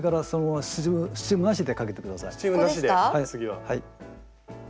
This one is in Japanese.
はい。